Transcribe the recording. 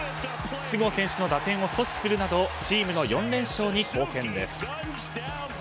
筒香選手の打点を阻止するなどチームの４連勝に貢献です。